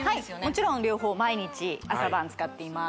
もちろん両方毎日朝晩使っています